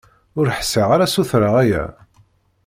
Ur ḥṣiɣ ara sutreɣ aya.